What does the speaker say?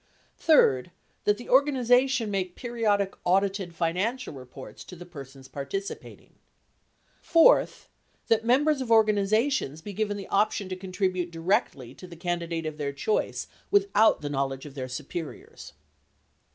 Third, that the organization make periodic audited financial reports to the persons participating. Fourth, that members of organizations be given the option to contribute directly to the candidate of their choice without the knowledge of their superiors.